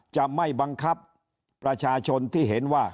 จะไม่บังคับประชาชนที่เห็นว่า